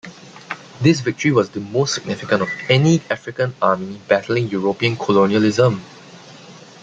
This victory was the most significant of any African army battling European colonialism.